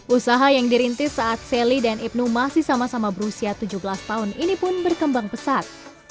usaha yang dirintis saat sally dan ibnu masih sama sama berusia tujuh belas tahun ini pun berkembang pesat